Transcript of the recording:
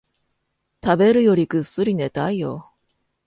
食べるよりぐっすり寝たいよ